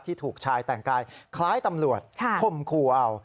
ถูกชายแต่งกายคล้ายตำรวจคมคู่เอา